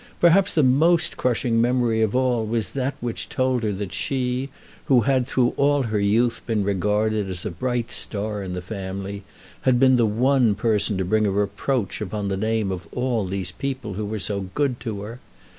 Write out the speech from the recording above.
Perhaps the most crushing memory of all was that which told her that she, who had through all her youth been regarded as a bright star in the family, had been the one person to bring a reproach upon the name of all these people who were so good to her.